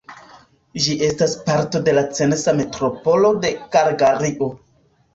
Ĝi ne estas parto de la Censa Metropolo de Kalgario.